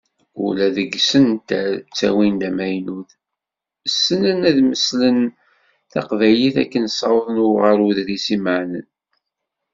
Ula deg yisental, ttawin-d amaynut, ssnen ad mmeslen taqbaylit akken ssawḍen ɣer uḍris imeɛnen.